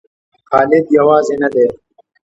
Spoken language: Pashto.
خالد یوازې نه دی.